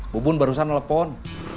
bubun barusan telepon